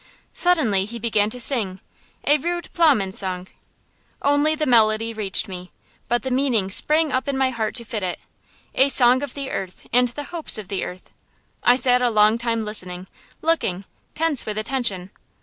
Suddenly he began to sing, a rude plowman's song. Only the melody reached me, but the meaning sprang up in my heart to fit it a song of the earth and the hopes of the earth. I sat a long time listening, looking, tense with attention.